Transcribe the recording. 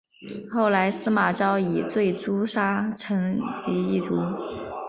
后来司马昭以罪诛杀成济一族。